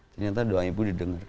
ternyata doang ibu didengar